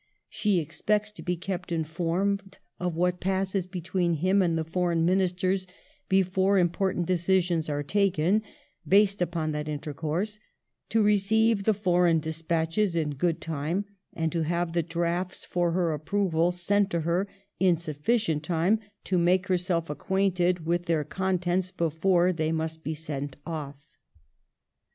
She expects to be kept informed of what passes between him and the Foreign Ministers before important decisions are taken, based upon that intercourse ; to receive the foreign despatches in good time, and to have the drafts for her approval sent to her in sufficient time to make hei'self acquainted with their contents before they must be sent off."